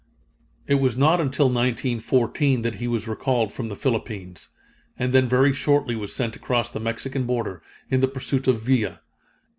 It was not until 1914 that he was recalled from the Philippines, and then very shortly was sent across the Mexican border in the pursuit of Villa.